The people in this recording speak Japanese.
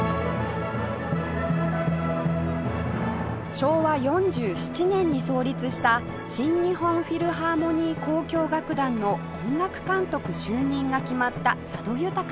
昭和４７年に創立した新日本フィルハーモニー交響楽団の音楽監督就任が決まった佐渡裕さん